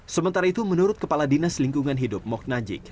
sementara itu menurut kepala dinas lingkungan hidup moknajik